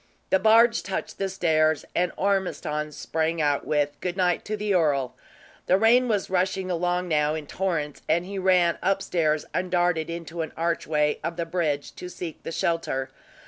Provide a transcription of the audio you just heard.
The barge touched the stairs, and Ormiston sprang out, with "Good night" to the earl. The rain was rushing along, now, in torrents, and he ran upstairs and darted into an archway of the bridge, to seek the shelter.